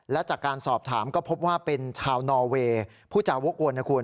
และจากการสอบถามก็พบว่าเป็นชาวนอเวย์ผู้จาวกวนนะคุณ